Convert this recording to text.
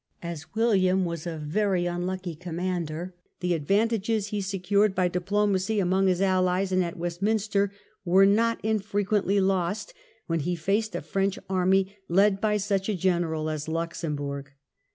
As William was a very unlucky commander, the advan tages he secured by diplomacy among his allies and at Westminster were not infrequently lost when he faced a French army, led by such a general as Luxembourg.